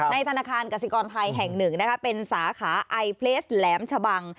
ธนาคารกสิกรไทยแห่งหนึ่งนะคะเป็นสาขาไอเพลสแหลมชะบัง